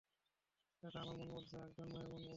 এটা আমার মন বলছে, একজন মায়ের মন বলছে।